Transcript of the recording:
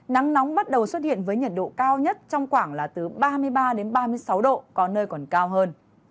nắng nóng bắt đầu xuất hiện với nhiệt độ cao nhất trong khoảng là từ ba mươi ba đến ba mươi sáu độ có nơi còn cao hơn